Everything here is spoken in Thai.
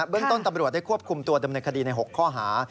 เรื่องต้นตำรวจได้ควบคุมตัวดำเนินคดีใน๖ข้อหา